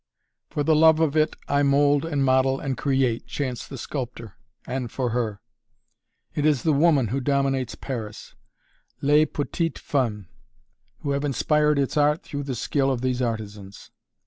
"For the love of it I mold and model and create," chants the sculptor "and for her!" It is the Woman who dominates Paris "Les petites femmes!" who have inspired its art through the skill of these artisans.